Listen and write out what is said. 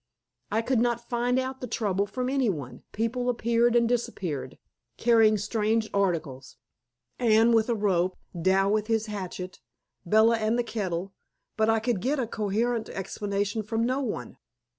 I could not find out the trouble from any one; people appeared and disappeared, carrying strange articles. Anne with a rope, Dal with his hatchet, Bella and the kettle, but I could get a coherent explanation from no one.